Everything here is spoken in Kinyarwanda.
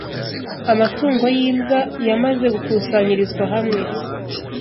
Amatungo y’imbwa yamaze gukusanyirizwa hamwe,